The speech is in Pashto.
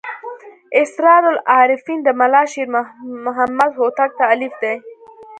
اسرار العارفین د ملا شیر محمد هوتک تألیف دی.